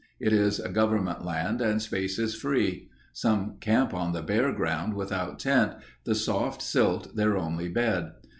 It is government land and space is free. Some camp on the bare ground without tent, the soft silt their only bed.